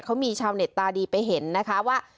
เขามีชาวเน็ตตาดีไปเห็นนะคะว่า